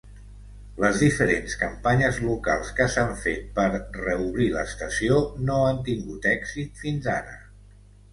Les diferents campanyes locals que s'han fet per reobrir l'estació no han tingut èxit fins ara.